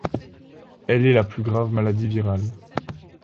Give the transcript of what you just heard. Elle est la plus grave maladie virale.